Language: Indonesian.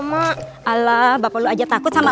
mak alah bapak lo aja takut sama